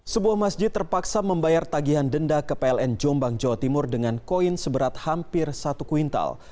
sebuah masjid terpaksa membayar tagihan denda ke pln jombang jawa timur dengan koin seberat hampir satu kuintal